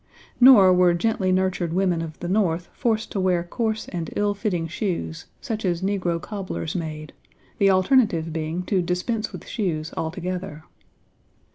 Nor were gently nurtured women of the North forced to wear coarse and ill fitting shoes, such as negro cobblers made, the alternative being to dispense with shoes altogether.